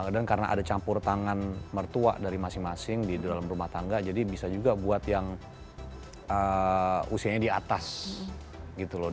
dan karena ada campur tangan mertua dari masing masing di dalam rumah tangga jadi bisa juga buat yang usianya di atas gitu loh